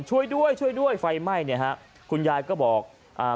ช่วยด้วยช่วยด้วยไฟไหม้เนี่ยฮะคุณยายก็บอกอ่า